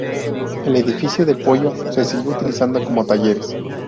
El edificio de Poyo se siguió utilizando como talleres.